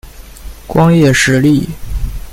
光叶石栎